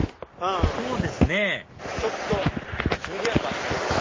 そうですねちょっとにぎやかっていうか。